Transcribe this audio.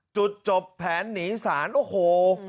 จุดจบแผนหนีสารโอ้โห